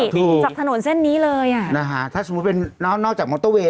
ถูกจากถนนเส้นนี้เลยอ่ะนะฮะถ้าสมมุติเป็นแล้วนอกจากมอเตอร์เวย